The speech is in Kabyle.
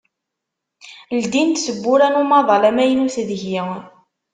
ldint tewwura n umaḍal amaynut deg-i.